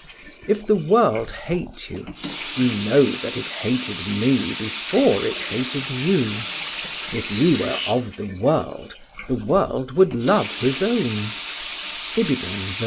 If the world hate you, ye know that it hated me before it hated you. If ye were of the world, the world would love his own" (ib. 18 19).